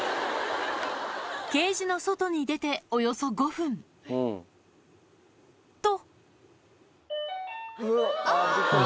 ケージの外に出ておよそ５分と！